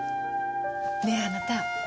ねえあなた。